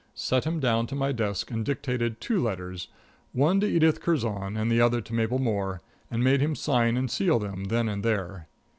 Set him down to my desk, and dictated two letters, one to Edith Curzon and the other to Mabel Moore, and made him sign and seal them, then and there.